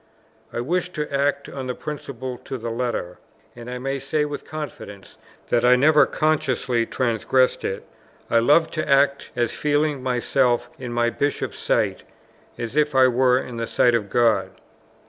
I wished to act on this principle to the letter, and I may say with confidence that I never consciously transgressed it. I loved to act as feeling myself in my Bishop's sight, as if it were the sight of God.